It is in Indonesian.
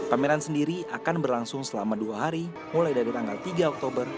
pameran sendiri akan berlangsung selama dua hari mulai dari tanggal tiga oktober